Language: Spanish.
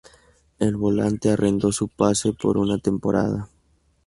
El volante arrendó su pase por una temporada.